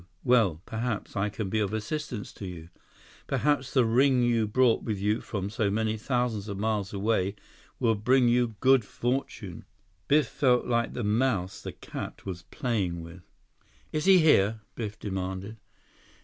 Well, perhaps I can be of assistance to you. Perhaps the ring you brought with you from so many thousands of miles away will bring you good fortune." Biff felt like the mouse the cat was playing with. "Is he here?" Biff demanded.